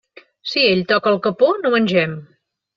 Si ell toca el capó, no mengem.